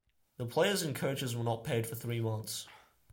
The players and coaches were not paid for three months.